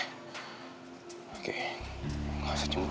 gak usah cemburu